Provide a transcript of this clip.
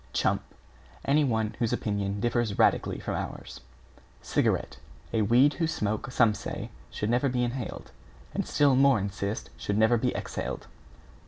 =CHUMP= Any one whose opinion differs radically from ours. =CIGARETTE= A weed whose smoke, some say, should never be inhaled, and still more insist should never be exhaled.